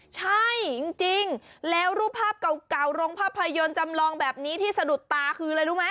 ใช่จริงแล้วรูปภาพเก่าโรงภาพยนตร์จำลองแบบนี้ที่สะดุดตาคืออะไรรู้ไหม